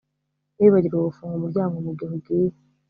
Ntiwibagirwe gufunga umuryango mugihe ugiye